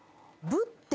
ぶって！